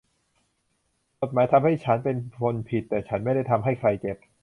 กฎหมายทำให้ฉันเป็นคนผิดแต่ฉันไม่ได้ทำให้ใครเจ็บ